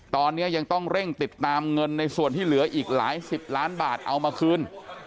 ตอนนี้ยังต้องเร่งติดตามเงินในส่วนที่เหลืออีกหลายสิบล้านบาทเอามาคืน